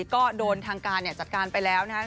ก็โดนทางการจัดการไปแล้วนะครับ